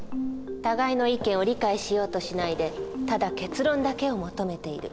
互いの意見を理解しようとしないでただ結論だけを求めている。